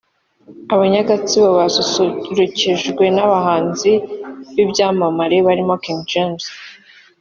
Abanya-Gatsibo basusurukijwe n'abahanzi b'ibyamamare barimo King James